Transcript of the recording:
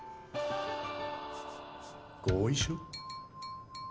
合意書？